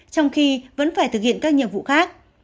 trong khi vẫn phải thực hiện các nhiệm vụ khác